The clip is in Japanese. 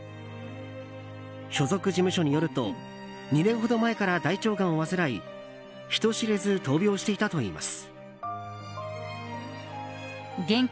所属事務所によると２年ほど前から大腸がんを患い人知れず闘病していたといいます。